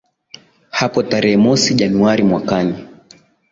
hapo tarehe mosi januari mwakani